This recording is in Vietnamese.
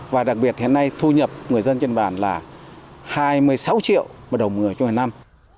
và đặc biệt hiện nay thu nhập người dân trên bàn là hai mươi sáu triệu một đồng người cho hàng năm